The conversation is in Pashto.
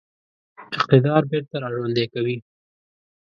اقتدار بیرته را ژوندی کوي.